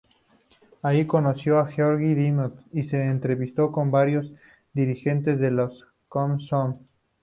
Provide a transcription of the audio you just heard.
Allí conoció a Georgi Dimitrov, y se entrevistó con varios dirigentes de las Komsomol.